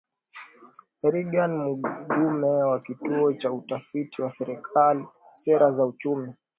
Reagan Mugume wa Kituo cha Utafiti wa Sera za Uchumi